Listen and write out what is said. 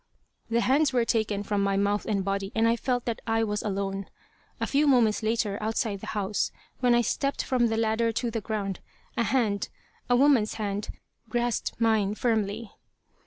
The hands were taken from my mouth and body, and I felt that I was alone. A few moments later, outside the house, when I stepped from the ladder to the ground, a hand a woman's hand grasped mine firmly.